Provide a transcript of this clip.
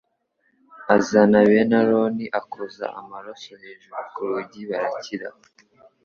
azana bene aroni akoza amaraso hejuru kurugi barakira